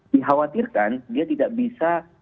dihawatirkan dia tidak bisa